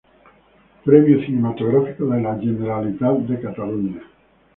Premio Cinematográfico de la Generalitat de Cataluña.